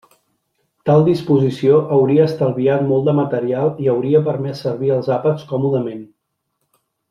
Tal disposició hauria estalviat molt de material i hauria permès servir els àpats còmodament.